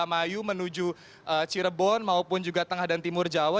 mayu menuju cirebon maupun juga tengah dan timur jawa